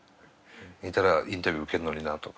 いたらインタビュー受けるのになとか。